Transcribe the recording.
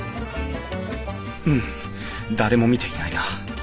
うん誰も見ていないな。